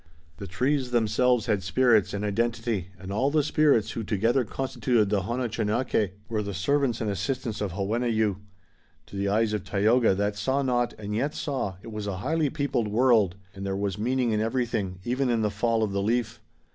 The trees themselves had spirits and identity and all the spirits who together constituted the Honochenokeh were the servants and assistants of Hawenneyu. To the eyes of Tayoga that saw not and yet saw, it was a highly peopled world, and there was meaning in everything, even in the fall of the leaf.